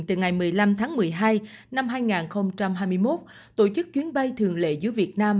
từ ngày một mươi năm tháng một mươi hai năm hai nghìn hai mươi một tổ chức chuyến bay thường lệ giữa việt nam